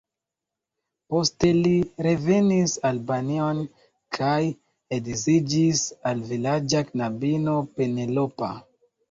Poste li revenis Albanion kaj edziĝis al vilaĝa knabino, Penelopa.